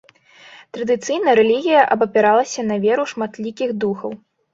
Традыцыйная рэлігія абапіралася на веру ў шматлікіх духаў.